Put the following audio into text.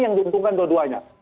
yang diuntungkan keduanya